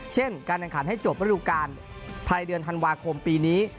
การแข่งขันให้จบฤดูการภายเดือนธันวาคมปีนี้